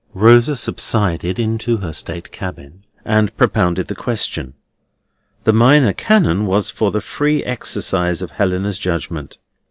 Rosa subsided into her state cabin, and propounded the question. The Minor Canon was for the free exercise of Helena's judgment.